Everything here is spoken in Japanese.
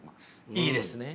いいですね。